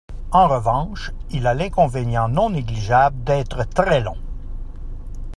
En revanche, il a l'inconvénient non négligeable d'être très long.